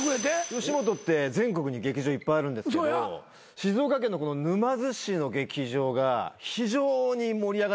吉本って全国に劇場いっぱいあるんですけど静岡県の沼津市の劇場が非常に盛り上がってないんですよ。